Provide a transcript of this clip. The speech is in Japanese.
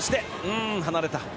離れた。